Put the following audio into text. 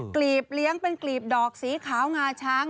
กลีบเลี้ยงเป็นกลีบดอกสีขาวงาช้าง